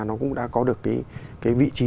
nó cũng đã có được cái vị trí